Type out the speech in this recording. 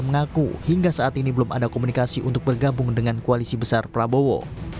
mengaku hingga saat ini belum ada komunikasi untuk bergabung dengan koalisi besar prabowo